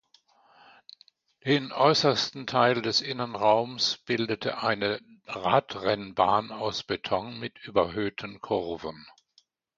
Den äußersten Teil des Innenraums bildete eine Radrennbahn aus Beton mit überhöhten Kurven.